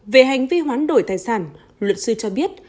về hành vi hoán đổi tài sản luật sư cho biết